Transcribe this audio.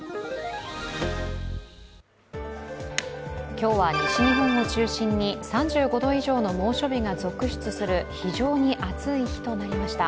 今日は西日本を中心に３５度以上の猛暑日が続出する非常に暑い日となりました。